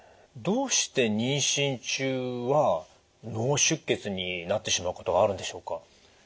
どうして妊娠中は脳出血になってしまうことがあるんでしょうか？